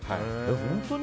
本当に？